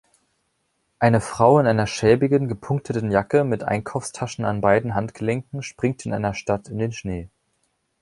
Eine Frau in einer schäbigen, gepunkteten Jacke, mit Einkaufstaschen an beiden Handgelenken springt in einer Stadt in den Schnee